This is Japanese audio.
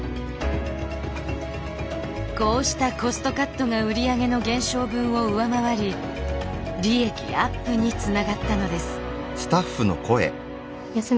こうしたコストカットが売り上げの減少分を上回り利益アップにつながったのです。